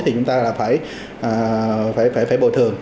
thì chúng ta là phải bồi thường